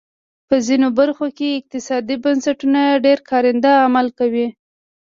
په ځینو برخو کې اقتصادي بنسټونه ډېر کارنده عمل کوي.